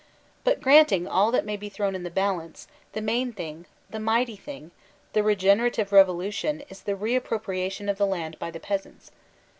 But granting all that may be thrown in the balance, the main thing, the mighty thing, the rq;enerative revolution is the Reappropriaiion of the land by the peasanis.